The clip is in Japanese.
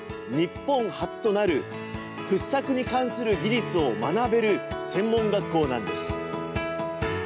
日本初となる掘削に関する技術を学べる専門学校なんです。